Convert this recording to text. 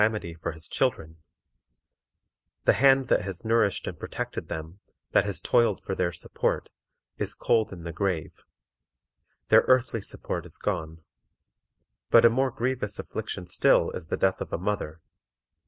The death of a father is a sad calamity for his children; the hand that has nourished and protected them, that has toiled for their support, is cold in the grave; their earthly support is gone. But a more grievous affliction still is the death of a mother.